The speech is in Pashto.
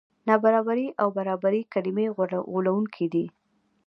نابرابري او برابري کلمې غولوونکې دي.